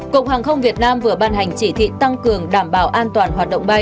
cục hàng không việt nam vừa ban hành chỉ thị tăng cường đảm bảo an toàn hoạt động bay